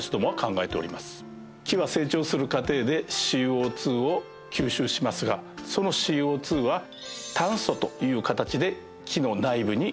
木は成長する過程でＣＯ２を吸収しますがそのＣＯ２は炭素という形で木の内部に固定されます。